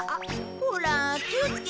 ほら気をつけて。